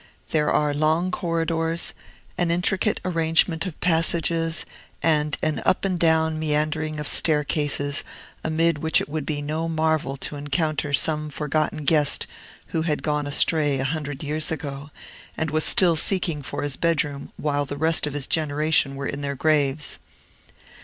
There are long corridors, an intricate arrangement of passages, and an up and down meandering of staircases, amid which it would be no marvel to encounter some forgotten guest who had gone astray a hundred years ago, and was still seeking for his bedroom while the rest of his generation were in their graves.